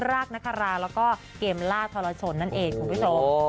รากนคราแล้วก็เกมล่าทรชนนั่นเองคุณผู้ชม